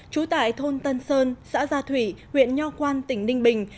trú tại thôn tân sơn xã gia thủy huyện nho quan tỉnh ninh bình